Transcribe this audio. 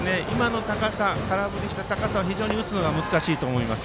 空振りした高さを非常に打つのが難しいと思います。